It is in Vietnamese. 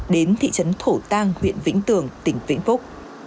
đến thị trấn thổ tàng huyện vĩnh tường tỉnh vĩnh phúc